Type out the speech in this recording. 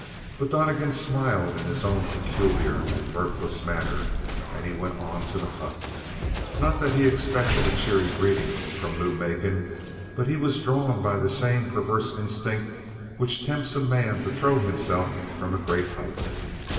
But Donnegan smiled in his own peculiar and mirthless manner and he went on to the hut. Not that he expected a cheery greeting from Lou Macon, but he was drawn by the same perverse instinct which tempts a man to throw himself from a great height.